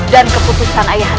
dan keputusan ayahanda